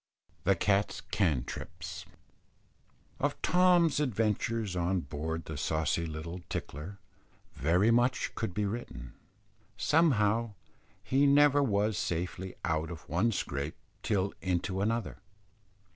THE CAT'S "CANTRIPS." Of Tom's adventures on board the saucy little Tickler, very much could be written. Somehow, he never was safely out of one scrape till into another.